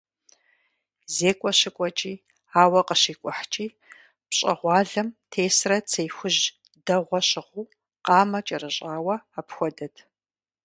Зекӏуэ щыкӏуэкӏи, ауэ къыщикӏухькӏи, пщӏэгъуалэм тесрэ цей хужь дэгъуэ щыгъыу, къамэ кӏэрыщӏауэ апхуэдэт.